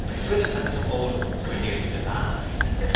Swithin and some older ones were nearly the last.